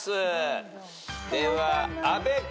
では阿部君。